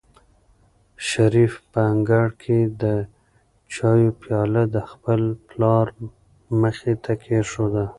شریف په انګړ کې د چایو پیاله د خپل پلار مخې ته کېښوده.